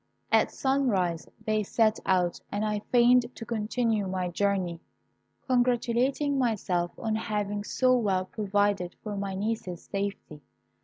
"At sunrise they set out, and I feigned to continue my journey, congratulating myself on having so well provided for my niece's safety.